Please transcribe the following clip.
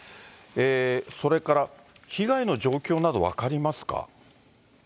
それから、被害の状況など分かりますか。